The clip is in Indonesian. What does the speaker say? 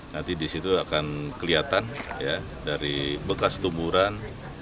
nanti di situ akan kelihatan dari bekas tumbuhan